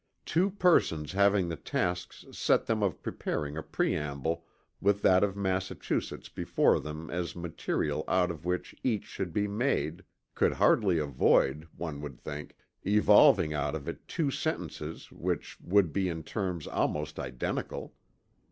Two persons having the tasks set them of preparing a preamble with that of Massachusetts before them as material out of which each should be made, could hardly avoid, one would think, evolving out of it two sentences which would be in terms almost identical.